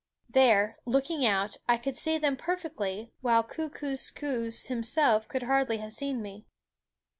There, looking out, I could see them perfectly, while Kookooskoos himself could hardly have seen me.